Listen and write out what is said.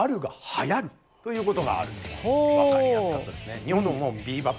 分かりやすかったですね。